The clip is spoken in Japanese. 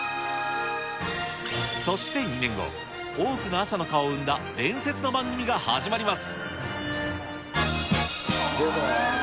そして２年後、多くの朝の顔を生んだ伝説の番組が始まります。